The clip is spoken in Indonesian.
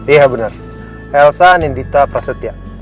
iya benar elsa nindita prasetya